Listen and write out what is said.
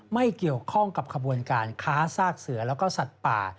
ไม่เกี่ยวข้องกับขบวนการค้าซากเสือแล้วก็สัตว์ป่า